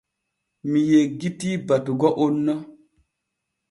Mi yeggitii batugo on no.